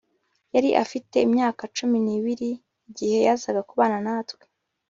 Yari afite imyaka cumi nibiri igihe yazaga kubana natwe